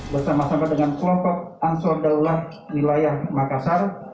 bersama sama dengan kelompok ansor daulah wilayah makassar